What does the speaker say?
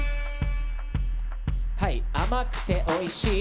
甘くておいしい？